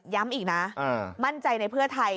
ย้ำอีกนะมั่นใจในเพื่อไทย